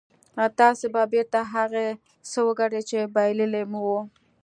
تاسې به بېرته هغه څه وګټئ چې بايللي مو وو.